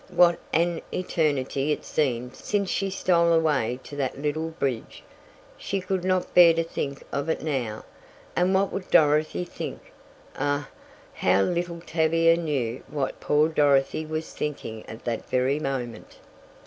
What an eternity it seemed since she stole away to that little bridge she could not bear to think of it now! And what would Dorothy think. Ah, how little Tavia knew what poor Dorothy was thinking at that very moment!